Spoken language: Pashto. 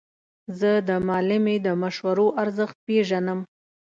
زه د معلمې د مشورو ارزښت پېژنم.